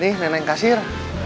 nih neneng kasir